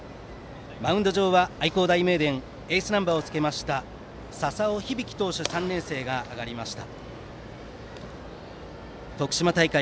マウンド上は愛工大名電エースナンバーをつけた笹尾日々喜投手３年生が上がりました。